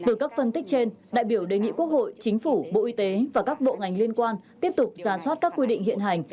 từ các phân tích trên đại biểu đề nghị quốc hội chính phủ bộ y tế và các bộ ngành liên quan tiếp tục ra soát các quy định hiện hành